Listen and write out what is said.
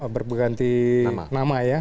berganti nama ya